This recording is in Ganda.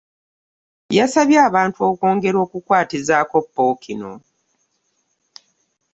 Yasabye abantu okwongera okukwatizaako Ppookino